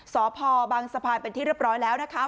สพบางสะพานเป็นที่เรียบร้อยแล้วนะคะ